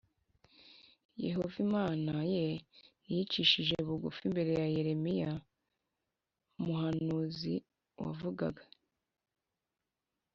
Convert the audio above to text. Yehova Imana ye Ntiyicishije bugu imbere ya Yeremiya umuhanuzie wavugaga